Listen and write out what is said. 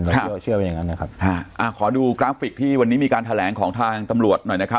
เชื่อเชื่อว่าอย่างนั้นนะครับอ่าขอดูกราฟิกที่วันนี้มีการแถลงของทางตำรวจหน่อยนะครับ